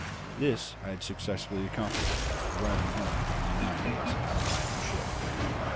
This I had successfully accomplished, arriving home only nine days after my own ship.